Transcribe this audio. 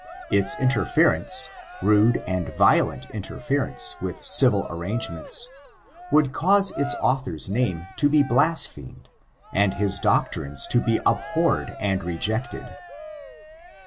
Its interference— rude and violent interference with civil arrangements, would cause its author's name to be blasphemed, and his doctrines to be abhorred and rejected.